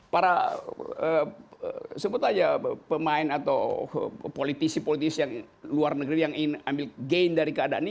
para sebut aja pemain atau politisi politisi yang luar negeri yang ingin ambil gain dari keadaan ini